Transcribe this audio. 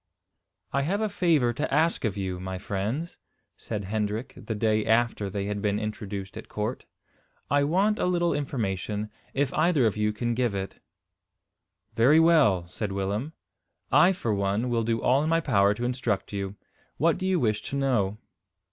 "I have a favour to ask of you, my friends," said Hendrik, the day after they had been introduced at court. "I want a little information, if either of you can give it." "Very well," said Willem; "I, for one, will do all in my power to instruct you. What do you wish to know?"